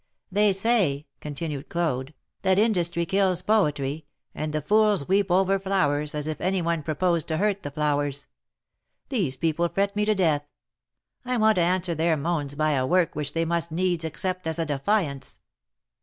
^^They say,'^ continued Claude, 'Hhat industry kills poetry, and the fools weep over flowers, as if any one pro posed to hurt the flowers. These people fret me to death. I want to answer their moans by a work which they must needs accept as a defiance.